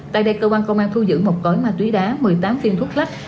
tại đây cơ quan công an thu dựng một gói ma túy đá một mươi tám phiên thuốc lách